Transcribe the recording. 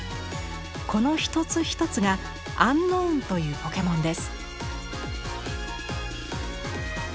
この一つ一つがアンノーンというポケモンです。